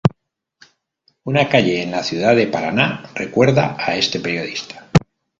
Una calle en la ciudad de Paraná recuerda a este periodista.